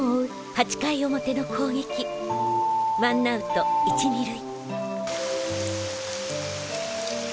８回表の攻撃ワンアウト１・２塁